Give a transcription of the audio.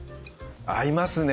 合いますね